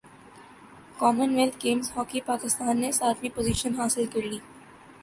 common wealth games hockey Pakistan نے ساتویں position حاصل کر لی